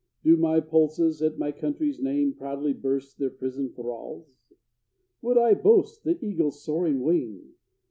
Do my pulses, at my country's name, Proudly burst their prison thralls? Would I boast the eagle's soaring wing?